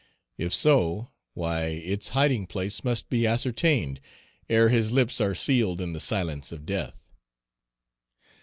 If so, why, its hiding place must be ascertained ere his lips are sealed in the silence of death.